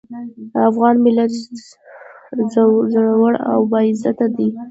افغان ملت زړور او باعزته دی.